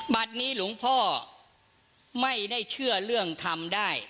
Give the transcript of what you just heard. บัตรนี้หลวงพ่อไม่ได้เชื่อเรื่องทำได้